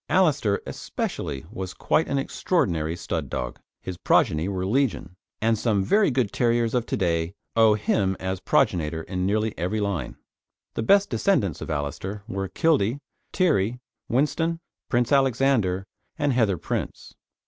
Alister especially was quite an extraordinary stud dog. His progeny were legion, and some very good terriers of to day own him as progenitor in nearly every line. The best descendants of Alister were Kildee, Tiree, Whinstone, Prince Alexander, and Heather Prince.